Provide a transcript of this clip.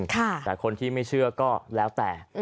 แต่คนที่ไม่เชื่อก็แล้วแต่